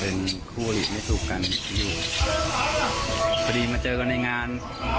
เป็นคู่อริไม่ถูกกันอยู่พอดีมาเจอกันในงาน